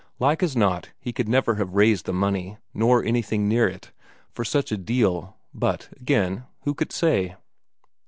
Like as not, he could never have raised the money, nor anything near it, for such a deal; but, again, who could say?